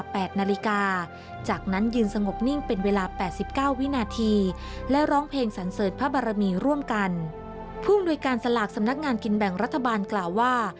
ผู้อำนวยการสลากสำนักงานกินแบ่งรัฐบาลกล่าวว่า